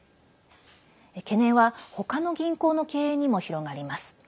懸念は他の銀行の経営にも広がります。